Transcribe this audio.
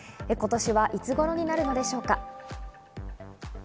今年はいつごろになるのでしょうか。